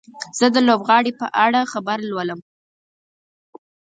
زه د لوبغاړي په اړه خبر لولم.